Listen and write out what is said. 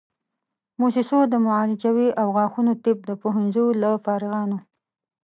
موسسو د معالجوي او غاښونو طب د پوهنځیو له فارغانو